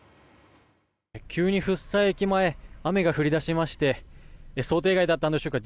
急に福生駅前雨が降り始めまして想定外だったのでしょうか